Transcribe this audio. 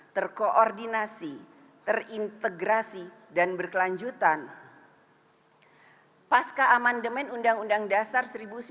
terkoordinasi terintegrasi dan berkelanjutan pasca amandemen undang undang dasar seribu sembilan ratus empat puluh lima